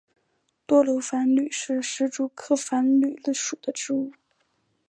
多花繁缕是石竹科繁缕属的植物。